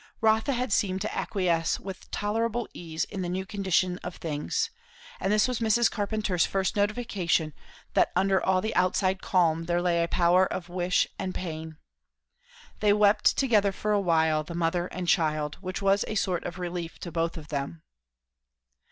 Rotha had seemed to acquiesce with tolerable ease in the new conditions of things; and this was Mrs. Carpenter's first notification that under all the outside calm there lay a power of wish and pain. They wept together for a while, the mother and child, which was a sort of relief to both of them.